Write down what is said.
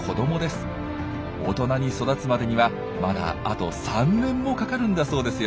おとなに育つまでにはまだあと３年もかかるんだそうですよ。